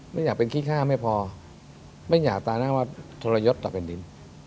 ไม่อยากเป็นคิดค่าไม่พอไม่อยากตารางวัดทรยศต่อเป็นดิน